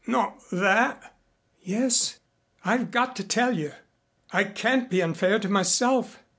Not that " "Yes. I've got to tell you. I can't be unfair to myself.